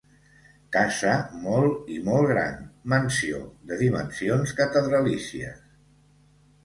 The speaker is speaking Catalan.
Casa molt i molt gran, mansió de dimensions catedralícies.